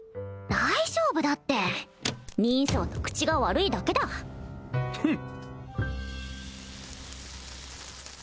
大丈夫だって人相と口が悪いだけだフン！